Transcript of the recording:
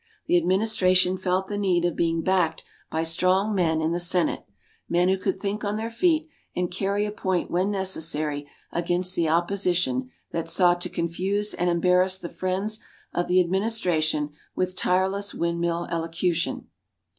The administration felt the need of being backed by strong men in the Senate men who could think on their feet, and carry a point when necessary against the opposition that sought to confuse and embarrass the friends of the administration with tireless windmill elocution.